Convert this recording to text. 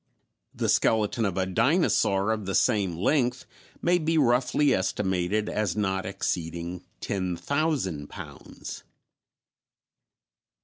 The skeleton of a dinosaur of the same length may be roughly estimated as not exceeding ten thousand pounds.